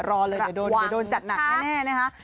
รอเลยจะโดนจัดหนักแน่นะฮะ